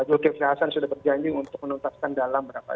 zulkifli hasan sudah berjanji untuk menuntaskan dalam berapa